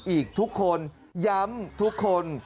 อีกทุกคนย้ำทุกคน